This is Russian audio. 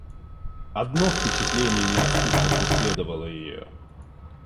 Одно впечатление неотступно преследовало ее.